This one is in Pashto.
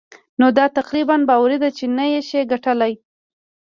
نو دا تقريباً باوري ده چې نه يې شې ګټلای.